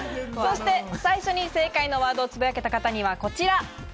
最初に正解のワードをつぶやけた方にはこちら。